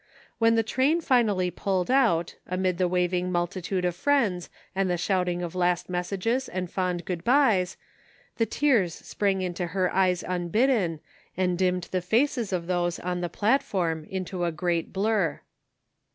When the train finally pulled out, amid the waving mtdtitude of friends, and the shouting of last messages and fond good byes, the tears sprang into her eyes unbidden and dimmed the faces of those on the platform into a great blur.